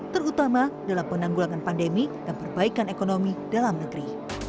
terutama dalam penanggulangan pandemi dan perbaikan ekonomi dalam negeri